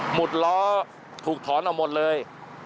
หมดล้อถูกถอนเอาหมดเลย